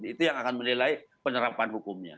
itu yang akan menilai penerapan hukumnya